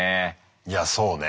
いやそうね。